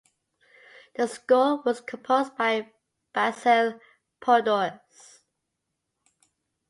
The score was composed by Basil Poledouris.